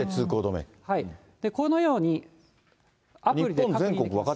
このように、アプリで確認できます。